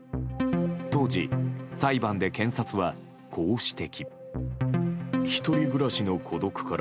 当時、裁判で検察はこう指摘。